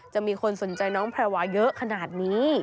มีคนสนใจน้องแพรวาเยอะขนาดนี้